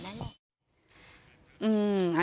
ไม่ถึงขนาดนั้น